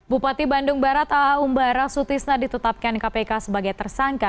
bupati bandung barat a a umbara sutisna ditutupkan kpk sebagai tersangka